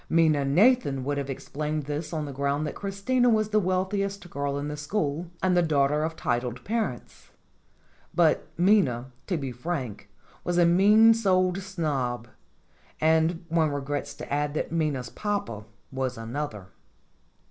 Minna Nathan would have explained this on the ground that Christina was the wealthiest girl in the school and the daughter of titled parents. But Minna, to be frank, was a mean souled snob ; and one regrets to add that Minna's papa was another.